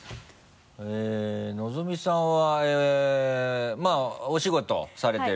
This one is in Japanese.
のぞみさんはお仕事されてる？